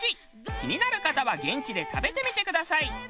気になる方は現地で食べてみてください。